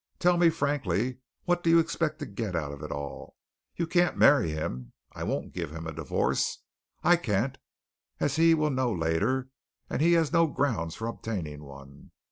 Tell me frankly what do you expect to get out of it all? You can't marry him. I won't give him a divorce. I can't, as he will know later, and he has no grounds for obtaining one.